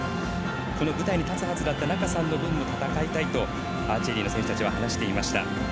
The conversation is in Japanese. この舞台に立つはずだった仲さんの分まで戦いたいとアーチェリーの選手は話していました。